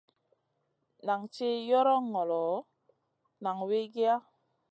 Nan tih yoron ŋolo, nan wikiya.